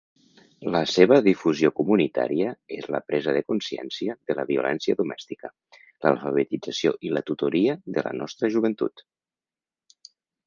La seva difusió comunitària és la presa de consciència de la violència domèstica, l'alfabetització i la tutoria de la nostra joventut.